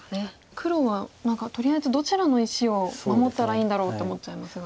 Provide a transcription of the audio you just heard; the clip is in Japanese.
黒は何かとりあえずどちらの石を守ったらいいんだろうと思っちゃいますが。